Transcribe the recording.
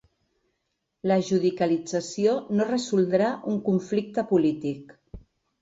La judicialització no resoldrà un conflicte polític.